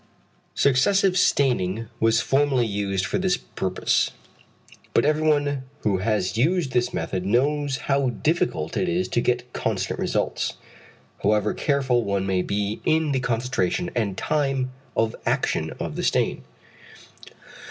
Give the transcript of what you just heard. Successive staining was formerly used for this purpose. But everyone who has used this method knows how difficult it is to get constant results, however careful one may be in the concentration and time of action of the stain.